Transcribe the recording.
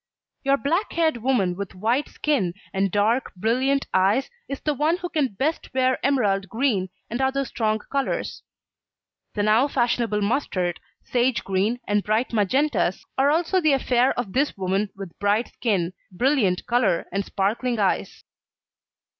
Your black haired woman with white skin and dark, brilliant eyes, is the one who can best wear emerald green and other strong colours. The now fashionable mustard, sage green, and bright magentas are also the affaire of this woman with clear skin, brilliant colour and sparkling eyes.